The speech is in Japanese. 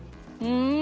うん。